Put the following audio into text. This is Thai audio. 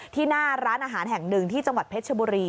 หน้าร้านอาหารแห่งหนึ่งที่จังหวัดเพชรชบุรี